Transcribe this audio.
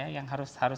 yang harus saya lakukan